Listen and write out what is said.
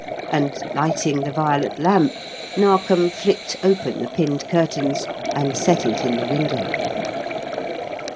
And lighting the violet lamp, Narkom flicked open the pinned curtains and set it in the window.